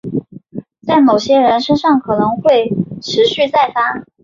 但在某些人身上可能会持续再发。